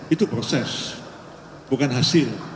itu proses bukan hasil